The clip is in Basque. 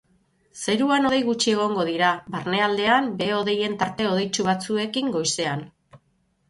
Zeruan hodei gutxi egongo dira, barnealdean behe-hodeien tarte hodeitsu batzuekin goizean.